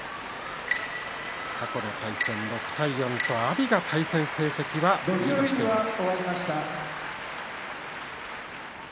過去の対戦６対４と阿炎が対戦成績はリードしています。